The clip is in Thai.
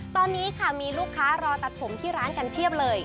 ตอนนี้ค่ะมีลูกค้ารอตัดผมที่ร้านกันเพียบเลย